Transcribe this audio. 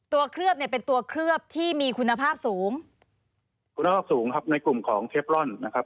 เคลือบเนี่ยเป็นตัวเคลือบที่มีคุณภาพสูงคุณภาพสูงครับในกลุ่มของเทปล่อนนะครับ